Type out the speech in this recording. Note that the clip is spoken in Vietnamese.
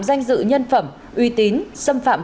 danh dự nhân phẩm uy tín xâm phạm